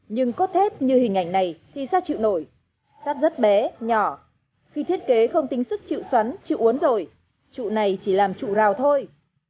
nhưng cốt thép như hình ảnh này thì sao chịu nổi sát rất bé nhỏ khi thiết kế không tính sức chịu xoắn chịu uốn rồi trụ này chỉ làm trụ rào thôi